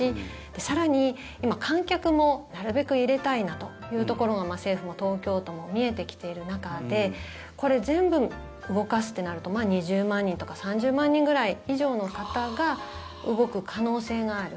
更に、今観客もなるべく入れたいなというところが政府も東京都も見えてきている中でこれ全部動かすとなると２０万人とか３０万人ぐらい以上の方が動く可能性がある。